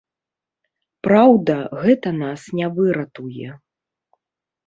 Праўда, гэта нас не выратуе.